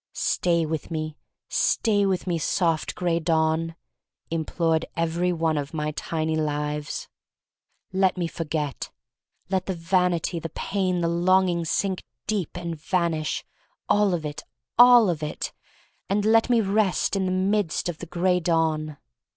"Stay with me, stay with me, soft Gray Dawn," implored every one of my tiny lives. "Let me forget. Let THE STORY OF MARY MAC LANE 1 73 the vanity, the pain, the longing sink deep and vanish — all of it, all of it! And let me rest in the midst of the Gray Dawn.